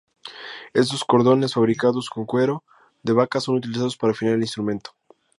Estos cordones fabricados con cuero de vaca, son utilizados para afinar el instrumento.